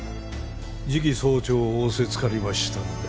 次期総長を仰せつかりましたので。